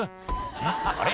「うん？あれ？